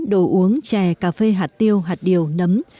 đồ uống chè cà phê hạt tiêu hạt điều nấm